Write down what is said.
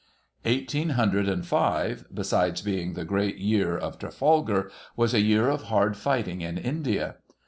Eighteen hundred and five, besides being the great year of Trafalgar, was a year of hard fighting in India.